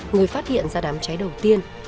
người phát hiện ra đám cháy đầu tiên